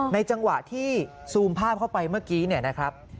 จังหวะที่ซูมภาพเข้าไปเมื่อกี้เนี่ยนะครับ